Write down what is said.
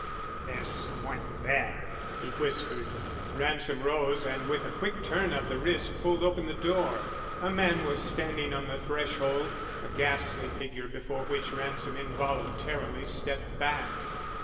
"There's some one there," he whispered. Ransom rose, and with a quick turn of the wrist pulled open the door. A man was standing on the threshold, a ghastly figure before which Ransom involuntarily stepped back.